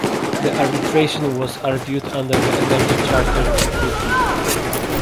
The arbitration was argued under the Energy Charter Treaty.